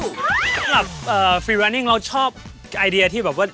สำหรับฟีวานิ่งเราชอบไอเดียที่แบบว่า